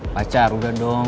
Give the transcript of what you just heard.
pacar udah dong